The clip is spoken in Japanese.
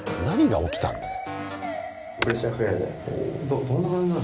何が起きたの？